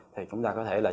thì chúng ta có thể là